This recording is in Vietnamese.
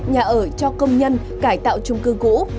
nhà ở cho công nhân cải tạo trung cư cũ